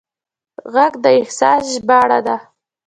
غږ د احساس ژباړه ده